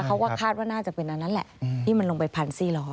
เขาก็คาดว่าน่าจะเป็นอันนั้นแหละที่มันลงไปพันซี่ล้อ